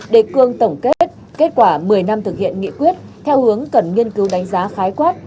đề cương tổng kết kết quả một mươi năm thực hiện nghị quyết theo hướng cần nghiên cứu đánh giá khái quát